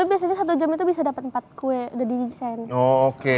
biasanya satu jam itu bisa dapat empat kue udah didesain